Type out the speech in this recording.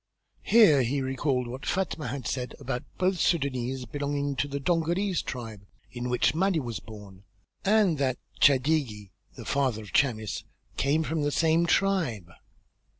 Here he recalled what Fatma had said about both Sudânese belonging to the Dongolese tribe, in which the Mahdi was born, and that Chadigi, the father of Chamis, came from the same tribe.